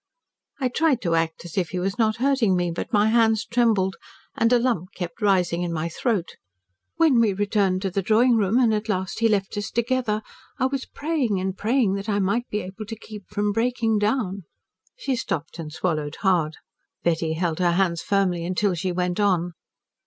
I tried to act as if he was not hurting me, but my hands trembled, and a lump kept rising in my throat. When we returned to the drawing room, and at last he left us together, I was praying and praying that I might be able to keep from breaking down." She stopped and swallowed hard. Betty held her hands firmly until she went on.